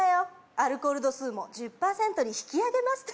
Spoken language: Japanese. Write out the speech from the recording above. アルコール度数も１０％に引き上げます